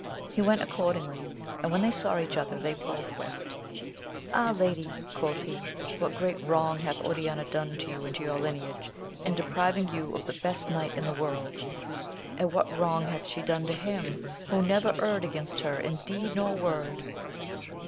He went accordingly, and, when they saw each other, they both wept. Ah, lady, quoth he, what great wrong hath Oriana done to you and to your lineage, in depriving you of the best knight in the world 1 and what wrong hath she done to him, who never erred against her in deed nor word